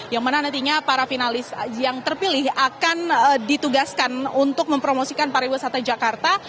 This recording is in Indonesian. yang mana nantinya para finalis yang terpilih akan ditugaskan untuk mempromosikan pariwisata jakarta